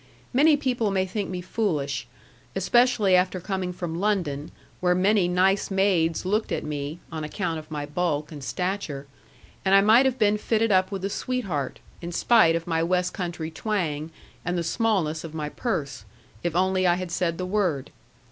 Many people may think me foolish, especially after coming from London, where many nice maids looked at me (on account of my bulk and stature), and I might have been fitted up with a sweetheart, in spite of my west country twang, and the smallness of my purse; if only I had said the word.